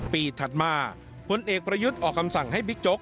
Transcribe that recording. ถัดมาพลเอกประยุทธ์ออกคำสั่งให้บิ๊กโจ๊ก